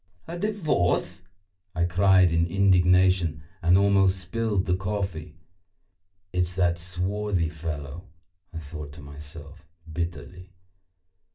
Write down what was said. "A divorce!" I cried in indignation and almost spilled the coffee. "It's that swarthy fellow," I thought to myself bitterly.